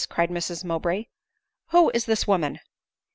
cried Mrs Mowbray ;" who is this woman